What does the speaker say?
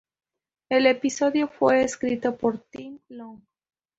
El episodio fue escrito por Tim Long.